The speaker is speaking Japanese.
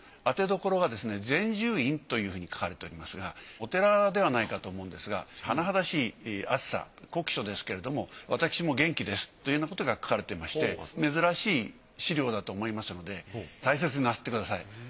宛てどころがですね善住院というふうに書かれておりますがお寺ではないかと思うんですが「甚だしい暑さ酷暑ですけれども私も元気です」というようなことが書かれてまして珍しい資料だと思いますので大切になすってください。